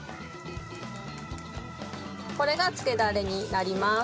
これがつけダレになります。